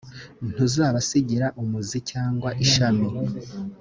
ntuzabasigira umuzi cyangwa ishami